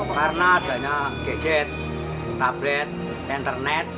karena banyak gadget tablet internet